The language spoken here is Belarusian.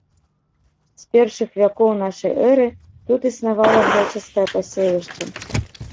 З першых вякоў нашай эры тут існавала грэчаскае паселішча.